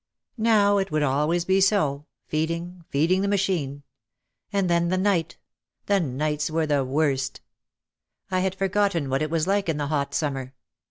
Now it would always be so, feeding, feeding the machine. And then the night. The nights were the worst. I had forgotten what it was like in the hot summer.